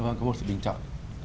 vâng có một sự bình chọn